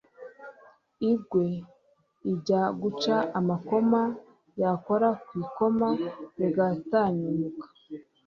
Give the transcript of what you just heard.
ingwe ijya guca amakoma, yakora ku ikoma rigatanyuka